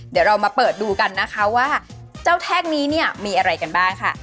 เดี๋ยวเรามาเปิดดูกันว่าเจ้าแท่งนี้มีอะไรกันบ้างค่ะ